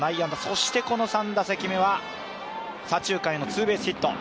そしてこの３打席目は左中間へのツーベースヒット。